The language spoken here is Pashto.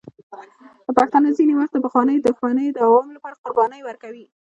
پښتانه ځینې وخت د پخوانیو دښمنیو د دوام لپاره قربانۍ ورکوي.